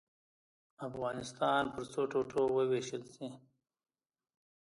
افغانستان پر څو ټوټو ووېشل شي.